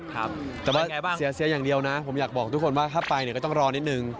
ครับแต่ว่าเสียอย่างเดียวนะผมอยากบอกทุกคนว่าถ้าไปเนี่ยก็ต้องรอนิดนึง